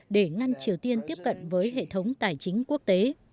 để ngăn triều tiên tiếp cận với hệ thống tài chính quốc tế